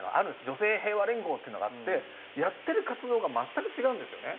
女性平和連合っていうのがあってやってる活動が全く違うんですよね。